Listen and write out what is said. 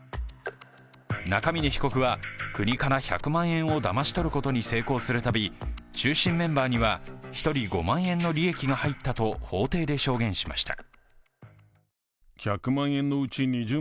中峯被告は、国から１００万円をだまし取ることに成功するたび、中心メンバーには１人５万円の利益が入ったと法廷で証言しました。